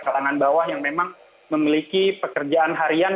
kalangan bawah yang memang memiliki pekerjaan harian